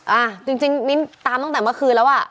อ่าจริงมิ้นตามตั้งแต่เมื่อคืนแล้วอ่ะ